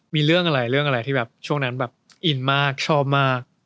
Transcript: มีเรื่องอะไรเรื่องอะไรที่แบบช่วงนั้นแบบอินมากชอบมาก